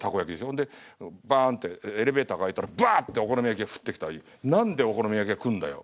そんでバンってエレベーターが開いたらバっとお好み焼きが降ってきたり「何でお好み焼きが来んだよ！」